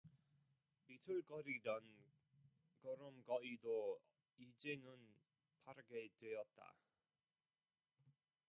비틀거리던 걸음거이도 이제는 바르게 되었다.